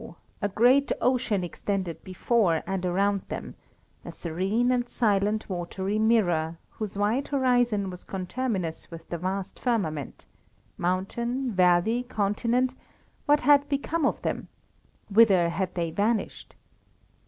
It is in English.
a great ocean extended before and around them a serene and silent watery mirror, whose wide horizon was conterminous with the vast firmament mountain, valley, continent, what had become of them? whither had they vanished?